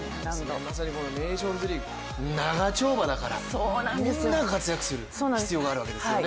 まさにネーションズリーグ長丁場だからみんなが活躍する必要があるわけですよね。